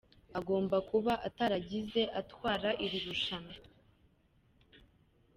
Agomba kuba atarigeze atwara iri rushanwa .